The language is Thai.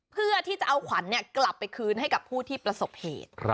เพื่อที่จะเอาขวัญกลับไปคืนให้กับผู้ที่ประสบเหตุ